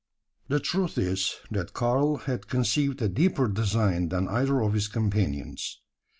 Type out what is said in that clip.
The truth is, that Karl had conceived a deeper design than either of his companions.